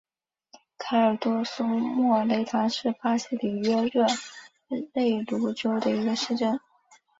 卡尔多苏莫雷拉是巴西里约热内卢州的一个市镇。